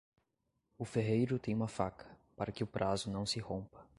O ferreiro tem uma faca, para que o prazo não se rompa.